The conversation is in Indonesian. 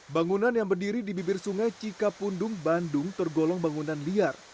bangunan yang berdiri di bibir sungai cikapundung bandung tergolong bangunan liar